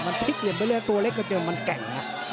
มันพลิกเรียนไปเลยตัวเล็กก็เจอมันแก่ง